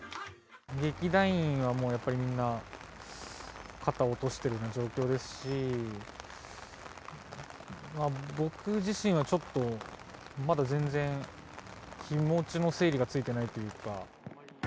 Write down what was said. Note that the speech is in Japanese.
劇団員はもうやっぱりみんな、肩を落としてるような状況ですし、僕自身はちょっと、まだ全然、気持ちの整理がついてないというか。